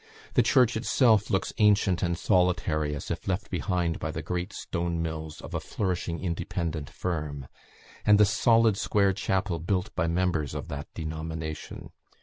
The church itself looks ancient and solitary, and as if left behind by the great stone mills of a flourishing Independent firm, and the solid square chapel built by the members of that denomination.